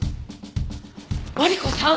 マリコさん！？